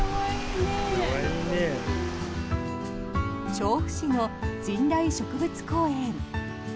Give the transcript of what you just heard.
調布市の神代植物公園。